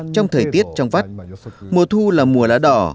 trong thời tiết trong vắt mùa thu là mùa lá đỏ